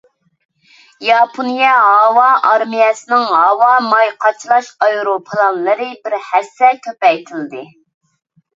ياپونىيە ھاۋا ئارمىيەسىنىڭ ھاۋا ماي قاچىلاش ئايروپىلانلىرى بىر ھەسسە كۆپەيتىلىدۇ.